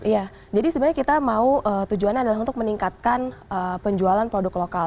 ya jadi sebenarnya kita mau tujuannya adalah untuk meningkatkan penjualan produk lokal